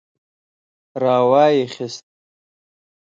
را وايي خيست.